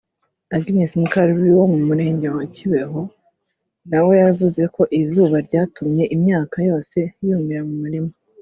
Agnes Mukarubibi wo mu murenge wa Kibeho na we yavuze ko izuba ryatumye imyaka yose yumira mu murima